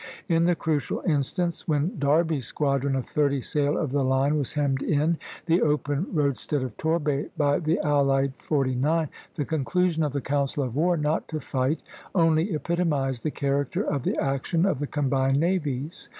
In the crucial instance, when Derby's squadron of thirty sail of the line was hemmed in the open roadstead of Torbay by the allied forty nine, the conclusion of the council of war not to fight only epitomized the character of the action of the combined navies.